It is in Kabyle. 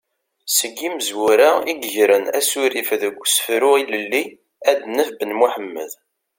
Seg yimezwura i yegren asurif deg usefru ilelli ad naf Ben Muḥemmed.